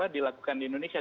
dilakukan di indonesia